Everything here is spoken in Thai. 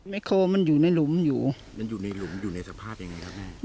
โคมันอยู่ในหลุมอยู่มันอยู่ในหลุมอยู่ในสภาพยังไงครับแม่